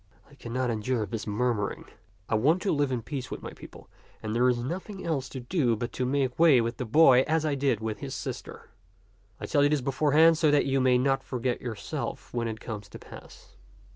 I cannot endure this murmuring ; I want to live in peace with my people ; and there is nothing else to do but to make way with the boy as I did with his sister. I tell you this beforehand so that you may not forget yourself when it comes to pass."